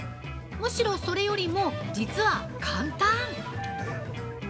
むしろ、それよりも実は簡単！